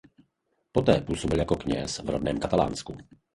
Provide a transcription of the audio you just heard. Poté působil jako kněz v rodném Katalánsku.